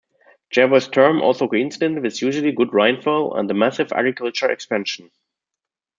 Jervois' term also coincided with unusually good rainfall and a massive agricultural expansion.